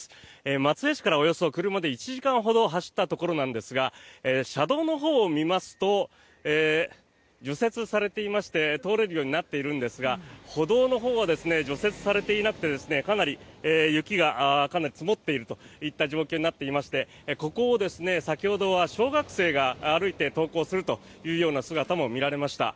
松江市から車でおよそ１時間ほど走ったところですが車道のほうを見ますと除雪されていまして通れるようになっているんですが歩道のほうは除雪されていなくてかなり雪が積もっているといった状況になっていましてここを先ほどは小学生が歩いて登校するという姿も見られました。